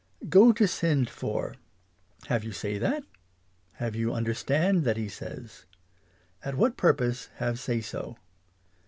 Go to send for. Have you say that ? Have you understand that he says ? At what purpose have say so